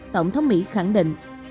tổng thống mỹ khẳng định